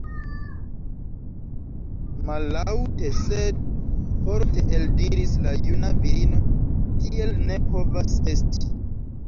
Mallaŭte sed forte eldiris la juna virino: tiel ne povas esti!